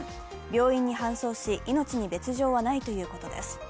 病院に搬送し、命に別状はないということです。